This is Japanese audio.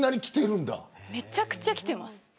めちゃくちゃきてます。